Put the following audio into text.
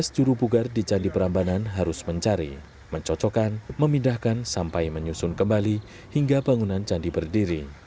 tujuh belas juru bugar di candi prambanan harus mencari mencocokkan memindahkan sampai menyusun kembali hingga bangunan candi berdiri